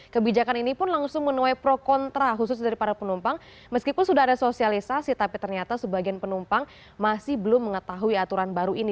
kebijakan ini pun langsung menuai pro kontra khusus dari para penumpang meskipun sudah ada sosialisasi tapi ternyata sebagian penumpang masih belum mengetahui aturan baru ini